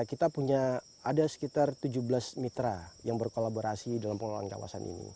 kita punya ada sekitar tujuh belas mitra yang berkolaborasi dalam pengelolaan kawasan ini